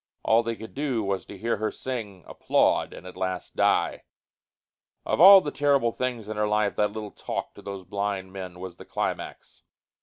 All they could do was to hear her sing, applaud and at last die. Of all the terrible things in her life that little talk to those blind men was the climax.